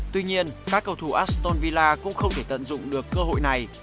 tuy nhiên các cầu thủ aston villa cũng không thể tận dụng được cơ hội này